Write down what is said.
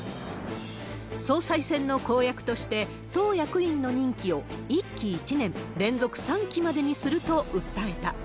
総裁選の公約として、党役員の任期を１期１年、連続３期までにすると訴えた。